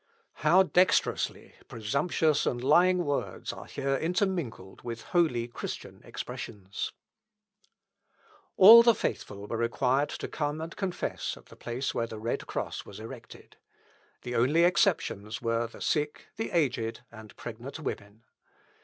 How dexterously presumptuous and lying words are here intermingled with holy Christian expressions! All the faithful required to come and confess at the place where the red cross was erected. The only exceptions were the sick, the aged, and pregnant women.